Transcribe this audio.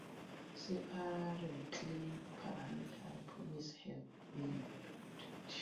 Separately Paramilitary Police have been reported.